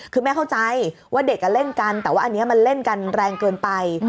คือแม่เข้าใจว่าเด็กเล่นกันแต่ว่าอันนี้มันเล่นกันแรงเกินไป